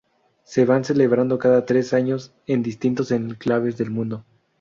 Se van celebrando cada tres años en distintos enclaves del mundo.